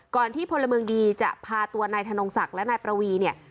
ที่พลเมืองดีจะพาตัวนายธนงศักดิ์และนายประวีเนี่ย